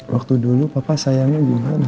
waktu dulu papa sayangnya gimana